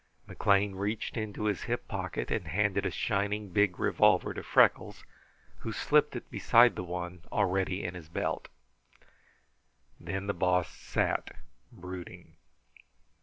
McLean reached into his hip pocket and handed a shining big revolver to Freckles, who slipped it beside the one already in his belt. Then the Boss sat brooding.